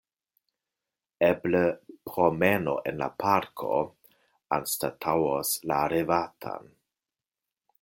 Eble promeno en la parko anstataŭos la revatan.